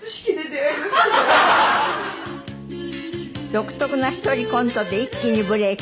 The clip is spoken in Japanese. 独特な一人コントで一気にブレーク。